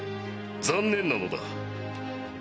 残念なのだ。